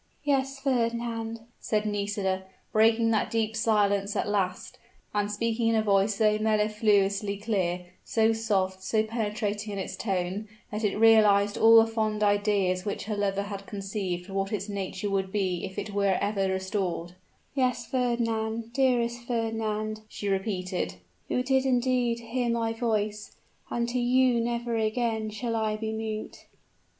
"Yes, Fernand," said Nisida, breaking that deep silence at last, and speaking in a voice so mellifluously clear, so soft, so penetrating in its tone, that it realized all the fond ideas which her lover had conceived of what its nature would be if it were ever restored, "yes, Fernand, dearest Fernand," she repeated, "you did indeed hear my voice, and to you never again shall I be mute."